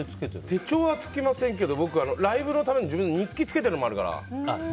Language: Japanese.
手帳はつけませんけどライブの度に日記をつけてるのはあるから。